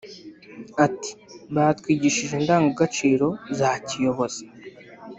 Ati “Batwigishije indangagaciro za kiyobozi